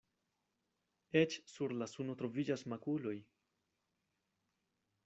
Eĉ sur la suno troviĝas makuloj.